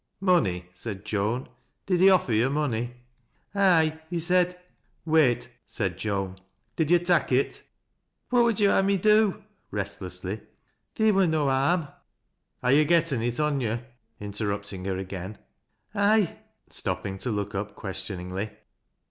" Money 1 " said Joan. " Did he offer yo' money i "" Aye, he said "« Wait !" said Joan. « Did yo' tak' it ?"" "What would yo' ha' me do ?" restlessly. " Theer wm no harm "" Ha' yo' gotten it on yo' ?" interrupting her again. " Aye," stopping to look up questioningly.